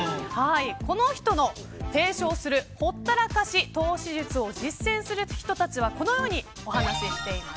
この人の提唱するほったらかし投資術を実践する人たちはこのように話しています。